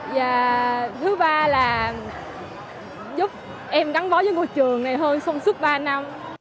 và thứ ba là giúp em gắn bó với môi trường này hơn xong suốt ba năm